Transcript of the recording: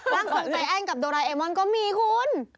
ร่างทรงไซน์แอ้งกับดอร์ไอนมอนก็มีคุณ